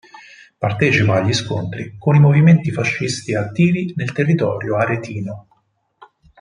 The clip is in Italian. Partecipa agli scontri con i movimenti fascisti attivi nel territorio aretino.